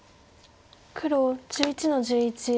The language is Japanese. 黒１１の十一。